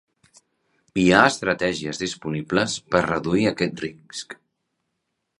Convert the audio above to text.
Hi ha estratègies disponibles per reduir aquest risc.